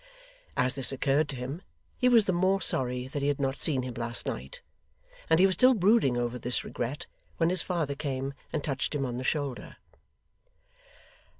As this occurred to him, he was the more sorry that he had not seen him last night; and he was still brooding over this regret, when his father came, and touched him on the shoulder.